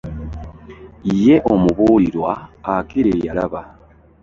Yye omubulirwa akira eyalaba .